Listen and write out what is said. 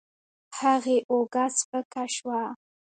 هغې اوږه سپکه شوه.